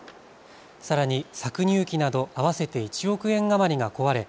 さらに搾乳機など合わせて１億円余りが壊れ